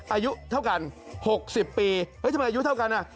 อายุเท่ากัน๖๐ปีเฮ้ยทำไมอายุเท่ากันอ่ะ